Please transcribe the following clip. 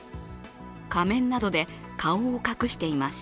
仮面などで顔を隠しています。